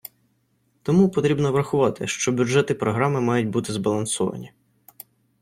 Тому потрібно врахувати, що бюджет і програми мають бути збалансовані.